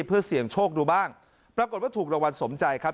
เพื่อเสี่ยงโชคดูบ้างปรากฏว่าถูกรางวัลสมใจครับ